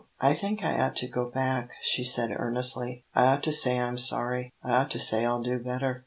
"I think I ought to go back," she said, earnestly. "I ought to say I'm sorry. I ought to say I'll do better."